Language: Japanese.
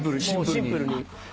シンプルに。